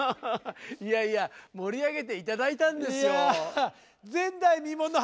いやいや盛り上げて頂いたんですよ。